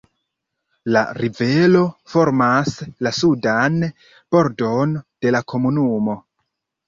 La rivero formas la sudan bordon de la komunumo.